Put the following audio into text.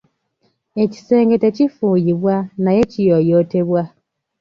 Ekisenge tekifuuyibwa naye kiyooyootebwa.